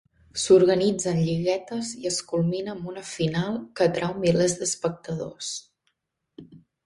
S'organitzen lliguetes i es culmina amb una final que atrau milers d'espectadors.